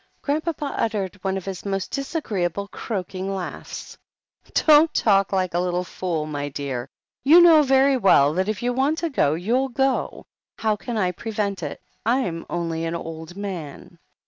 Grandpapa uttered one of his most disagreeable, croaking laughs. "Don't talk like a little fool, my dear ! You know very well that if you want to go, you'll go. How can I prevent it? I am only an old man."